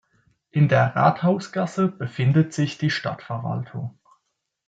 In der Rathausgasse befindet sich die Stadtverwaltung.